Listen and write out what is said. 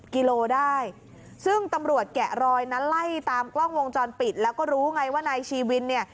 กิโลได้ซึ่งตำรวจแกะรอยนั้นไล่ตามกล้องวงจรปิดแล้วก็รู้ไงว่านายชีวินเนี่ย